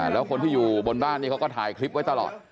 แล้วคนที่อยู่บนบ้านนี้เขาก็ถ่ายคลิปไว้ตลอด